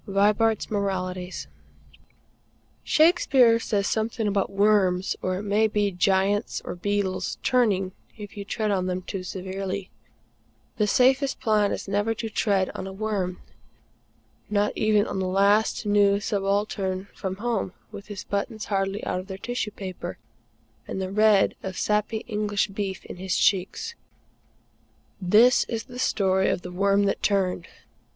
Vibart's Moralities. Shakespeare says something about worms, or it may be giants or beetles, turning if you tread on them too severely. The safest plan is never to tread on a worm not even on the last new subaltern from Home, with his buttons hardly out of their tissue paper, and the red of sappy English beef in his cheeks. This is the story of the worm that turned.